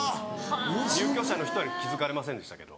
入居者の人に気付かれませんでしたけど。